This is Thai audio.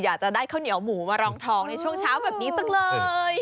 อยากจะได้ข้าวเหนียวหมูมารองทองในช่วงเช้าแบบนี้จังเลย